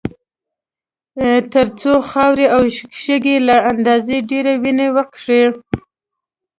تر څو خاورې او شګه له اندازې ډېره وینه وڅښي.